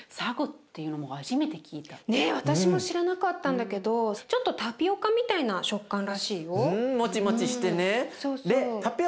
私も知らなかったんだけどちょっとタピオカみたいな食感らしいよ。